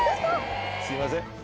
すいません。